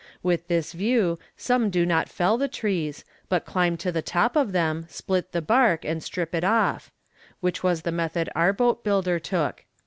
With this view some do not fell the trees, but climb to the top of them, split the bark, and strip it off; which was the method our boat builder took.